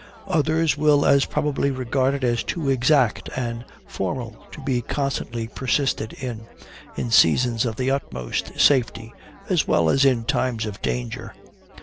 Others will as probably regard it as too exact and formal to be constantly persisted in, in seasons of the utmost safety, as well as in times of danger.